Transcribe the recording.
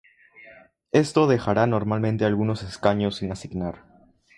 Esto dejará normalmente algunos escaños sin asignar.